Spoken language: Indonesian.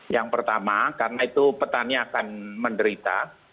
yang pertama karena itu petani akan menderita